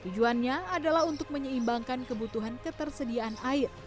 tujuannya adalah untuk menyeimbangkan kebutuhan ketersediaan air